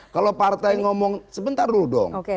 kalau partai ngomong sebentar dulu dong